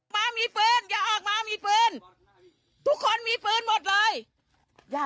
มามีปืนอย่าออกมามีปืนทุกคนมีปืนหมดเลยอย่า